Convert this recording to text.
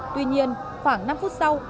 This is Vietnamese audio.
tuy nhiên khoảng năm phút sau